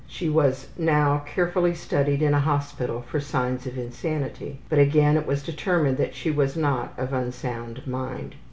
She was now carefully studied in a hospital for signs of insanity, but again it was determined that she was not of unsound mind.